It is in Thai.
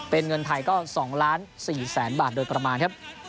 เป็นเงินไทยก็๒ล้าน๔แสนบาทโดยประมาณครับ